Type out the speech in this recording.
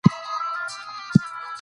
بهار به راشي.